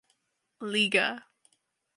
Liga.